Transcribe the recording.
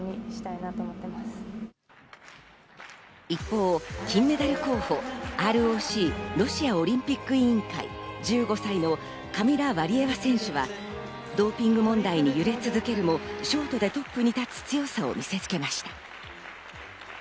一方、金メダル候補、ＲＯＣ＝ロシアオリンピック委員会、１５歳のカミラ・ワリエワ選手はドーピング問題に揺れ続けるもショートでトップに立つ強さを見せました。